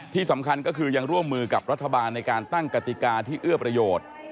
ที่สำคัญก็คือยังร่วมมือกับรัฐบาลในการตั้งกติกาที่เอื้อประโยชน์